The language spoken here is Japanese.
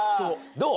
どう？